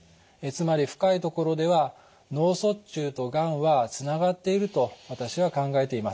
つまり深いところでは脳卒中とがんはつながっていると私は考えています。